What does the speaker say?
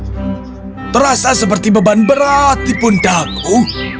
aku merasa seperti beban berat di puncakku